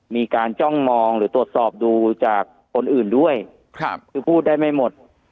จ้องมองหรือตรวจสอบดูจากคนอื่นด้วยคือพูดได้ไม่หมด